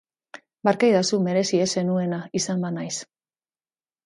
Barkaidazu merezi ez zenuena izan banaiz.